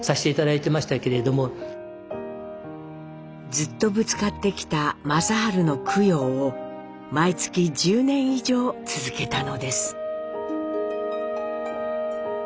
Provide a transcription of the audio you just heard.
ずっとぶつかってきた正治の供養を毎月１０年以上続けたのです。